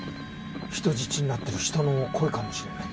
人質になってる人の声かもしれないな。